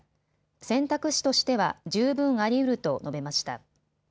選択肢としては十分ありうると述べました。